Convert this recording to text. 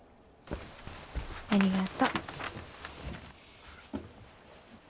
ありがと。